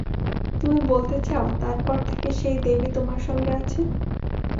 তুমি বলতে চাও, তারপর থেকে সেই দেবী তোমার সঙ্গে আছে?